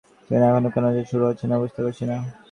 আজ এখনও কেন যে শুরু হচ্ছে না বুঝতে পারছি না।